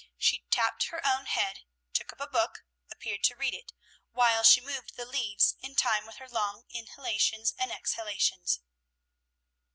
She tapped her own head, took up a book, appeared to read it, while she moved the leaves in time with her long inhalations and exhalations.